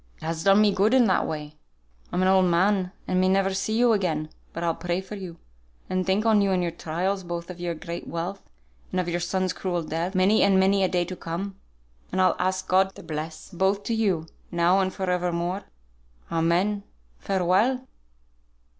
It has done me good in that way. I'm an old man, and may never see you again; but I'll pray for you, and think on you and your trials, both of your great wealth, and of your son's cruel death, many and many a day to come; and I'll ask God to bless both to you now and for evermore. Amen. Farewell!"